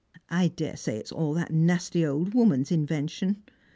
"I daresay it's all that nasty old woman's invention.